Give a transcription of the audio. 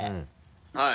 はい。